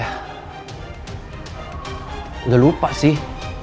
udah lupa sih